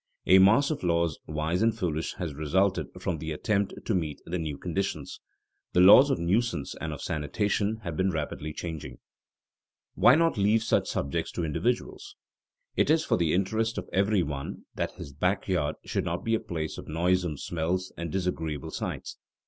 A mass of laws wise and foolish has resulted from the attempt to meet the new conditions. The laws of nuisance and of sanitation have been rapidly changing. [Sidenote: Need of social regulation] Why not leave such subjects to individuals? It is for the interest of every one that his back yard should not be a place of noisome smells and disagreeable sights.